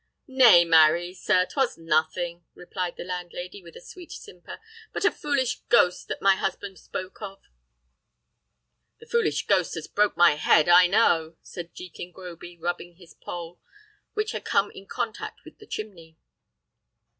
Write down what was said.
"Nay, marry, sir, 'twas nothing," replied the landlady, with a sweet simper, "but a foolish ghost that my husband spoke of." "The foolish ghost has broke my head, I know," said Jekin Groby, rubbing his pole, which had come in contact with the chimney.